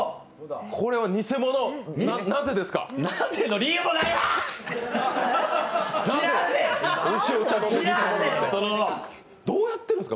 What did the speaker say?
これは偽物、なぜですか？